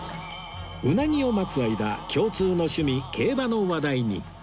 うなぎを待つ間共通の趣味競馬の話題に